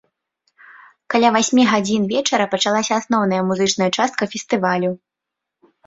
Каля васьмі гадзін вечара пачалася асноўная музычная частка фестывалю.